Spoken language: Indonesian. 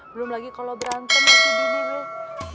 belum lagi kalo berantem ngasih dini be